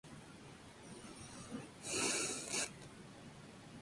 El matrimonio no fue la única vía para la reproducción de la sociedad.